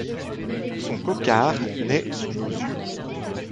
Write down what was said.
Son coquard naît sous nos yeux.